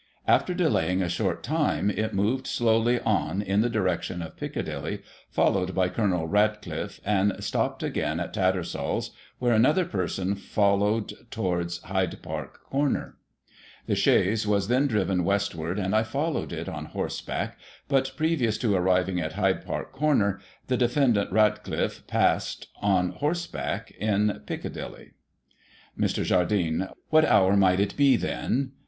After delaying a short time, it moved slowly on in the direction of Piccadilly, followed by Col. Ratcliffe, and stopped again at Tattersall's, where another person followed towards Hyde Park Corner. The chaise was then driven westward, and I followed it on horseback ; but, previous to ar Digiti ized by Google i84o] LOUIS NAPOLEON'S DUEL. 123 riving at Hyde Park Corner, the defendant RatclifFe passed, on horseback, in Piccadilly. Mr. Jardine : What hour might it be then